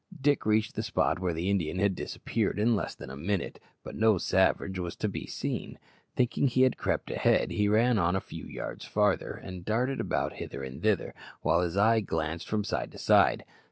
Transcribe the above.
Dick reached the spot where the Indian had disappeared in less than a minute, but no savage was to be seen. Thinking he had crept ahead, he ran on a few yards farther, and darted about hither and thither, while his eye glanced from side to side.